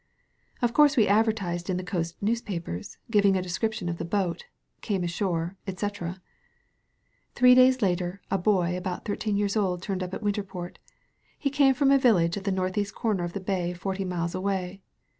"Of course we advertised in the coast newspapers, giving a description of the boat — *came ashore/ etc. "Three days later a boy about thirteen years old turned up at Winterport. He came from a village at the northeast comer of the bay forty miles away.